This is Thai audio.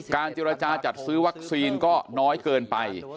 เจรจาจัดซื้อวัคซีนก็น้อยเกินไป